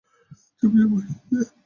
চুপচাপ বসিয়া যে?